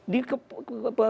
di kepengurusan kabinet